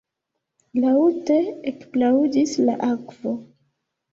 Laŭte ekplaŭdis la akvo.